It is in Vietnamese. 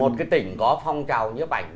tụi nó lên lên